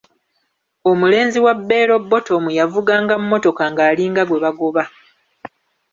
Omulenzi wa beelo bottomu yavuganga mmotoka ng'alinga gwe bagoba.